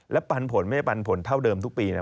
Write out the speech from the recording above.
แล้วปันผลไม่ได้ปันผลเท่าเดิมทุกปีนะ